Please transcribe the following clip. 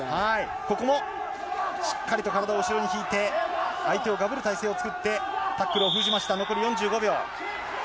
ここもしっかりと体を後ろに引いて、相手をがぶる体勢を作って、タックルを封じました、残り４５秒。